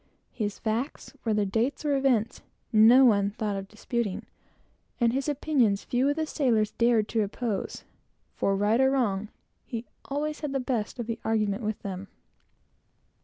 His facts, whether dates or events, no one thought of disputing; and his opinions, few of the sailors dared to oppose; for, right or wrong, he always had the best of the argument with them.